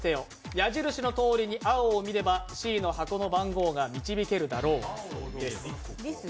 矢印の通りに青を見ればＣの箱の番号が導けるだろう、です。